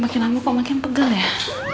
makin lamu kok makin pegal ya